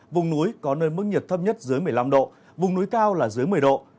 vùng núi có nơi mức nhiệt thấp nhất dưới một mươi năm độ vùng núi cao là dưới một mươi độ